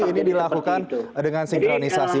ini dilakukan dengan sinkronisasi